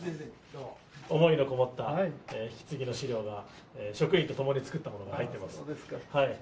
思いの込もった引き継ぎの資料が、職員と共に作ったものが入ってますので。